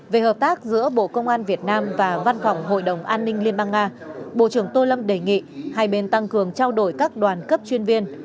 về hợp tác giữa bộ công an việt nam và văn phòng hội đồng an ninh liên bang nga bộ trưởng tô lâm đề nghị hai bên tăng cường trao đổi các đoàn cấp chuyên viên